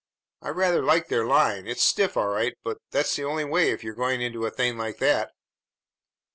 I rather like their line. It's stiff all right, but that's the only way if you're going into a thing like that."